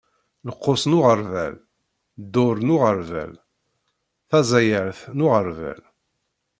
Lqus n uɣerbal, dduṛ n uɣerbal, tazayeṛt n uɣerbal.